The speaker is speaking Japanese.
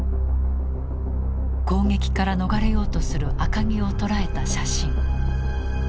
攻撃から逃れようとする赤城を捉えた写真。